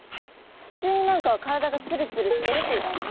ふつうに何か体がつるつるしてるという感じ。